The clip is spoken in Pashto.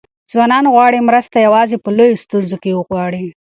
ځوانان غواړي مرسته یوازې په لویو ستونزو کې وغواړي.